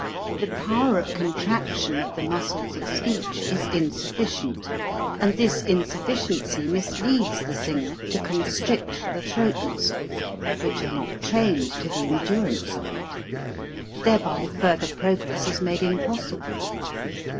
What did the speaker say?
The power of contraction of the muscles of speech is insufficient, and this insuffi ciency misleads the singer to constrict the throat muscles, which are not trained to the endurance of it; thereby further progress is made impossible.